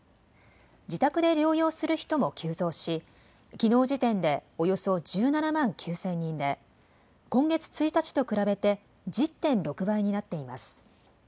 自宅で療養する人も急増し、きのう時点でおよそ１７万９０００人で、今月１日と比べて、１０．６倍になっています。